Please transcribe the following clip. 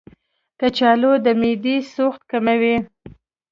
کچالو د معدې سوخت کموي.